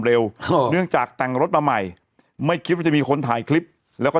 เนื่องจากแต่งรถมาใหม่ไม่คิดว่าจะมีคนถ่ายคลิปแล้วก็